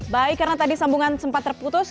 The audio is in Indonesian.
baik karena tadi sambungan sempat terputus